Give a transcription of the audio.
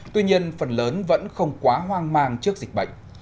tuy nhiên phần lớn vẫn không quá hoang mang trước dịch bệnh